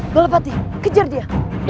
belapati kejar dia